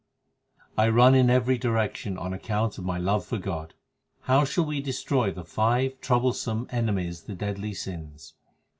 16 1 run in every direction on account of my love for God. How shall we destroy the five troublesome enemies the deadly sins